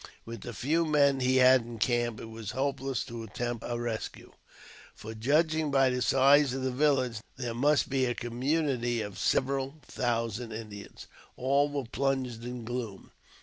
With the few men he had in camp it was hopeless to attempt a rescue ; for, judging by the size of the village, there must be a community of several thousand Indians. All were plunged in gloom.